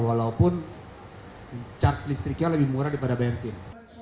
walaupun charge listriknya lebih murah daripada bensin